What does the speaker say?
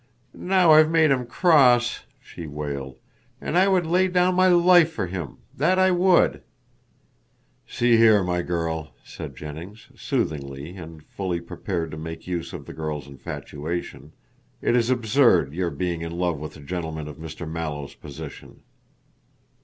"Now I've made him cross," she wailed, "and I would lay down my life for him that I would." "See here, my girl," said Jennings, soothingly and fully prepared to make use of the girl's infatuation, "it is absurd your being in love with a gentleman of Mr. Mallow's position."